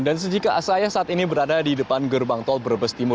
dan sejika saya saat ini berada di depan gerbang tol berbes timur